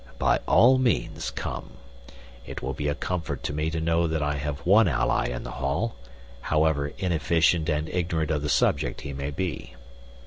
"By all means, come. It will be a comfort to me to know that I have one ally in the hall, however inefficient and ignorant of the subject he may be.